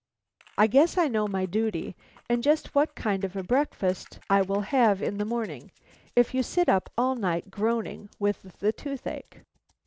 I guess I know my duty, and just what kind of a breakfast I will have in the morning, if you sit up all night groaning with the toothache."